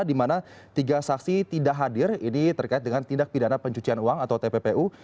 di mana tiga saksi tidak hadir ini terkait dengan tindak pidana pencucian uang atau tppu